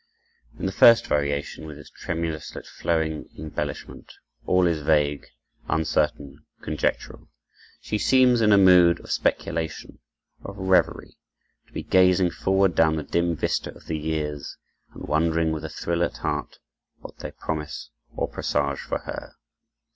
In the first variation, with its tremulous yet flowing embellishment, all is vague, uncertain, conjectural. She seems in a mood of speculation, of reverie, to be gazing forward down the dim vista of the years, and wondering, with a thrill at heart, what they promise or presage for her.